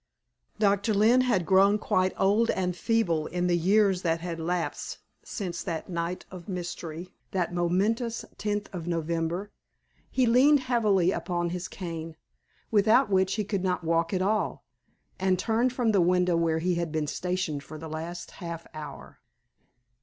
Doctor Lynne had grown quite old and feeble in the years that had elapsed since that night of mystery that momentous tenth of November. He leaned heavily upon his cane, without which he could not walk at all, and turned from the window where he had been stationed for the last half hour.